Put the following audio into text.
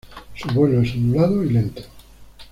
Su vuelo es ondulado y lento.